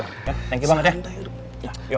thank you banget ya